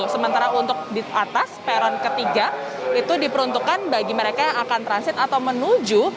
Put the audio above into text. sementara untuk di atas peron ketiga itu diperuntukkan bagi mereka yang akan transit atau menuju